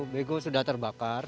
bego sudah terbakar